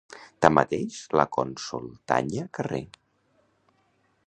Tanmateix, la cònsol Tanya carrer.